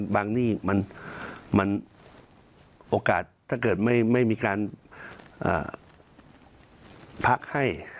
หนี้มันโอกาสถ้าเกิดไม่มีการพักให้